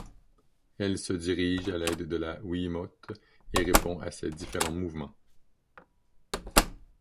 Elle se dirige à l'aide de la Wiimote et répond à ses différents mouvement.